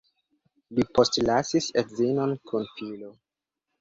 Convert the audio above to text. Li postlasis edzinon kun filo.